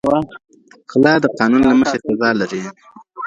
غلا د قانون له مخې سزا لري.